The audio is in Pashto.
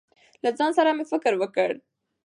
له ځان سره مې فکر وکړ.